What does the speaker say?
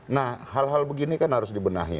nah hal hal begini kan harus dibenahi